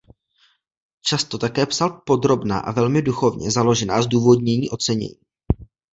Často také psal podrobná a velmi duchovně založená zdůvodnění ocenění.